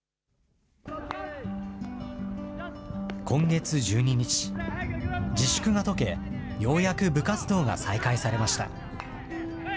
今月１２日、自粛が解け、ようやく部活動が再開されました。